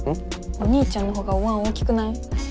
お兄ちゃんのほうがおわん大きくない？